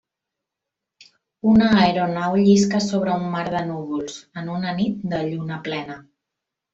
Una aeronau llisca sobre un mar de núvols, en una nit de lluna plena.